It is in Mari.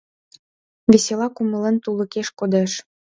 Весела кумылем тулыкеш кодеш.